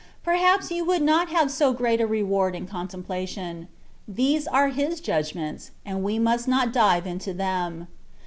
Perhaps you would not have so great a reward in contemplation. These are His judgments, and we must not dive into them.